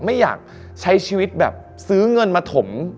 ไม่อยากใช้ชีวิตแบบซื้อเงินมาถม